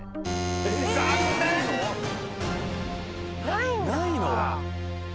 ないの⁉